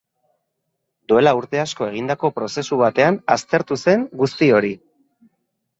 Duela urte asko egindako prozesu batean aztertu zen guzti hori.